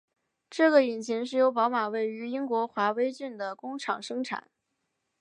这个引擎是由宝马位于英国华威郡的工厂生产。